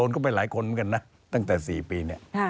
โดนเข้าไปหลายคนแล้วกันนะตั้งแต่๔ปี